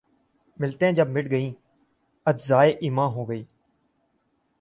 ملتیں جب مٹ گئیں‘ اجزائے ایماں ہو گئیں